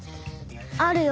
あるよ。